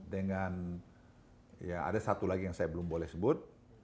dengan ya ada satu lagi yang saya belum boleh sebut